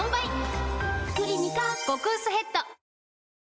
「クリニカ」極薄ヘッド